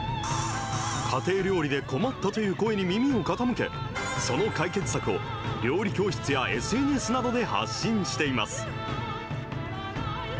家庭料理で困ったという声に耳を傾け、その解決策を料理教室やＳＮＳなどで発信しています。